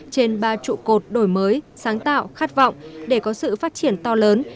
trên ba trụ cột đổi mới sáng tạo khát vọng để có sự phát triển to lớn